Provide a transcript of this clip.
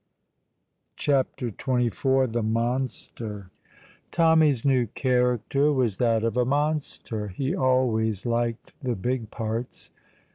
CHAPTER XXIV THE MONSTER Tommy's new character was that of a monster. He always liked the big parts.